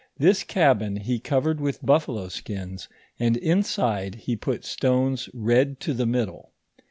This cabin he covered with buffalo skins, and inside he put stones red to the middle.